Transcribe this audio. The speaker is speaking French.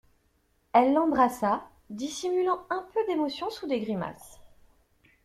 Elle l'embrassa, dissimulant un peu d'émotion sous des grimaces.